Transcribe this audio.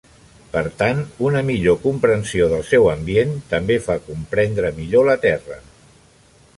Per tant, una millor comprensió del seu ambient també fa comprendre millor la Terra.